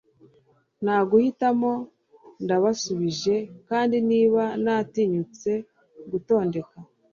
Nta guhitamo ndabasuhuje kandi niba natinyutse gutondeka